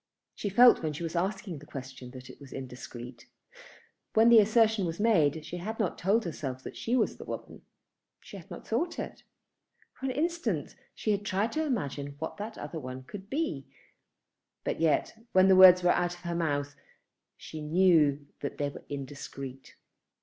She felt when she was asking the question that it was indiscreet. When the assertion was made she had not told herself that she was the woman. She had not thought it. For an instant she had tried to imagine who that other one could be. But yet, when the words were out of her mouth, she knew that they were indiscreet.